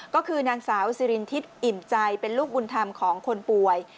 ก็คือนางสาวสิรินทิศอิ่มใจเป็นลูกบุญธรรมของคนป่วย